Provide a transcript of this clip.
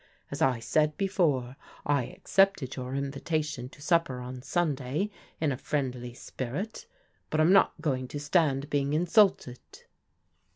As I said before, I accepted your invitation to supper on Sunday in a friendly spirit, but I'm not go ing to stand being insulted."